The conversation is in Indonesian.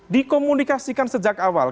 dikomunikasikan sejak awal